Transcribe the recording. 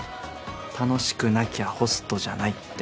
楽しくなきゃホストじゃないって。